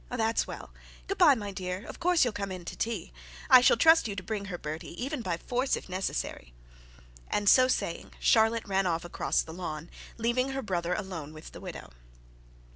'That's well. Good bye, my dear. Of course you'll come in to tea. I shall trust you to bring her, Bertie; even by force if necessary.' And so saying, Charlotte was off across the lawn, leaving her brother alone with the widow.